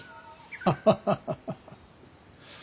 ハハハハ。